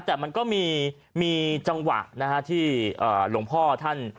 แต่มันก็มีจังหวะนะฮะที่หลวงพ่อท่าน